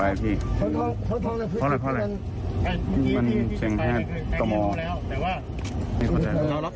นี่นะคะบอกว่าทำคนเดียว